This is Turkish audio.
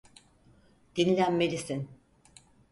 Dinlenmelisin.